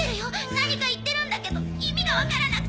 何か言ってるんだけど意味が分からなくて。